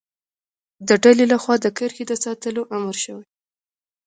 د ډلې له خوا د کرښې د ساتلو امر شوی.